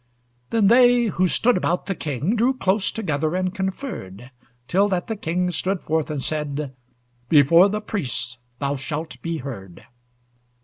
Then they who stood about the King Drew close together and conferred; Till that the King stood forth and said, "Before the priests thou shalt be heard."